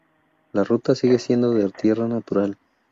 La ruta sigue siendo de tierra natural.